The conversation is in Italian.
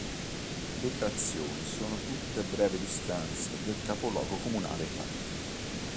Le frazioni sono tutte a breve distanza del capoluogo comunale, Tappi.